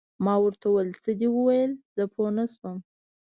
ما ورته وویل: څه دې وویل؟ زه پوه نه شوم.